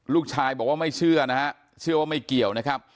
ลูกชายบอกว่าไม่เชื่อนะฮะเชื่อว่าไม่เกี่ยวนะครับ